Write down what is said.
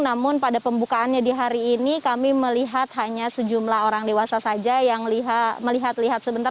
namun pada pembukaannya di hari ini kami melihat hanya sejumlah orang dewasa saja yang melihat lihat sebentar